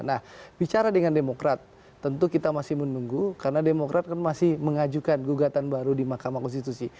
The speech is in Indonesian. nah bicara dengan demokrat tentu kita masih menunggu karena demokrat kan masih mengajukan gugatan baru di mahkamah konstitusi